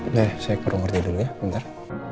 nde saya ke rumorti dulu ya bentar